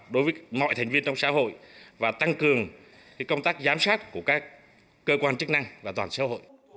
đối với mọi thành viên trong xã hội và tăng cường công tác giám sát của các cơ quan chức năng và toàn xã hội